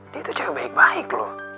dia itu cewek baik loh